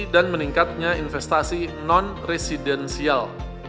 dan meningkatnya investasi non residensial